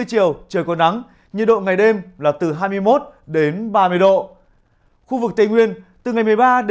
trò chơi này đang tạo ra nhiều hệ lụy